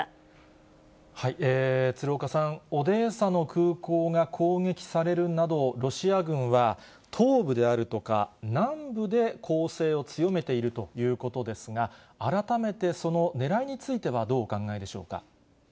鶴岡さん、オデーサの空港が攻撃されるなど、ロシア軍は東部であるとか、南部で攻勢を強めているということですが、改めてそのねらいについてはどうお考えでしょうか。